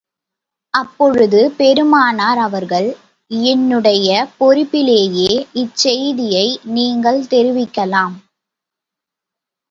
அப்பொழுது பெருமானார் அவர்கள், என்னுடைய பொறுப்பிலேயே இச்செய்தியை நீங்கள் தெரிவிக்கலாம்.